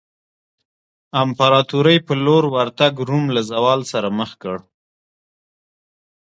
امپراتورۍ په لور ورتګ روم له زوال سره مخ کړ.